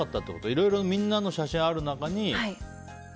いろいろみんなの写真がある中に。